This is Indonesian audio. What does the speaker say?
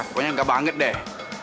pokoknya gak banget deh